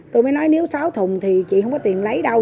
tôi mới nói nếu sáu thùng thì chị không có tiền lấy đâu